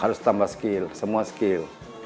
harus tambah skill semua skill